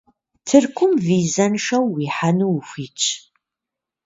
Тыркум визэншэу уихьэну ухуитщ.